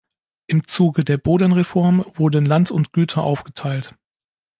Im Zuge der Bodenreform wurden Land und Güter aufgeteilt.